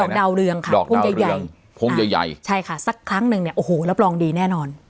ดาวเรืองค่ะดอกพวงใหญ่ใหญ่พงใหญ่ใหญ่ใช่ค่ะสักครั้งหนึ่งเนี่ยโอ้โหรับรองดีแน่นอน